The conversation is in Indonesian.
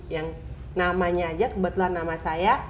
yang namanya aja kebetulan nama saya